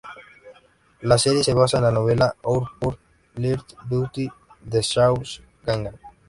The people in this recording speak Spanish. La serie se basa en la novela "Our Pure Little Beauty" de Zhao Gangan.